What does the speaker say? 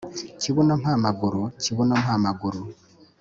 Kibuno mpa amaguru! kibuno mpa amaguru!